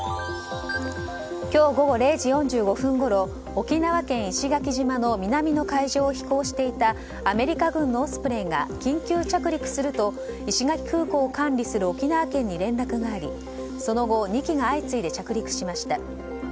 今日午後０時４５分ごろ沖縄県石垣島の南の海上を飛行していたアメリカ軍のオスプレイが緊急着陸すると石垣空港を管理する沖縄県に連絡がありその後２機が相次いで着陸しました。